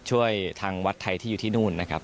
ช่วยทางวัดไทยที่อยู่ที่นู่นนะครับ